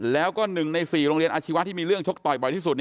แล้วก็๑ใน๔โรงเรียนอาชีวะที่มีเรื่องชกต่อยบ่อยที่สุด